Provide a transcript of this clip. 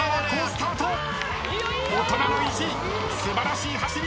大人の意地素晴らしい走り。